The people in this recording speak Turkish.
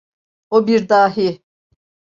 O bir dahi.